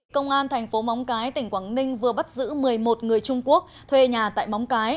công an thành phố móng cái tỉnh quảng ninh vừa bắt giữ một mươi một người trung quốc thuê nhà tại móng cái